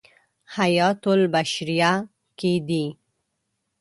حیاة البشریة کې دی.